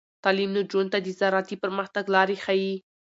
تعلیم نجونو ته د زراعتي پرمختګ لارې ښيي.